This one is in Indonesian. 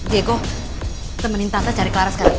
diego temenin tante cari clara sekarang